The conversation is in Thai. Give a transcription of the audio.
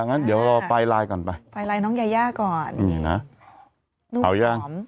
งั้นเดี๋ยวเราไปลายก่อนไปไปลายน้องแยยะก่อนอ่าเอายาก